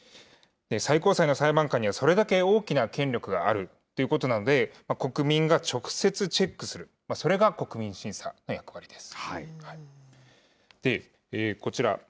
最高裁の裁判官には、それだけ大きな権力があるということなので、国民が直接チェックする、それが国民審査の役割です。